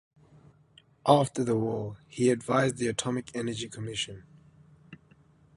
After the war, he advised the Atomic Energy Commission.